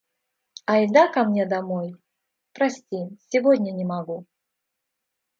«Ай да ко мне домой?» — «Прости, сегодня не могу».